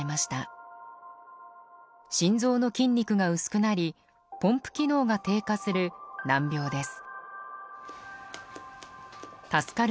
心臓の筋肉が薄くなりポンプ機能が低下する難病です。